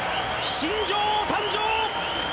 新女王誕生！